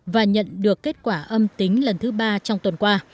và nhận được kết quả âm tính lần thứ ba trong tuần qua